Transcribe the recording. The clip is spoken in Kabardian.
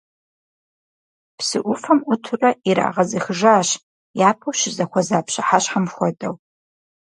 Псы Ӏуфэм Ӏутурэ ирагъэзыхыжащ, япэу щызэхуэза пщыхьэщхьэм хуэдэу.